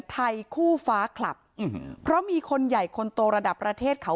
ไทยคู่ฟ้าคลับเพราะมีคนใหญ่คนโตระดับประเทศเขา